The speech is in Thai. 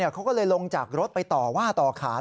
เขาก็เลยลงจากรถไปต่อว่าต่อขาน